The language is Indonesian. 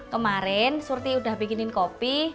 kemarin surti udah bikinin kopi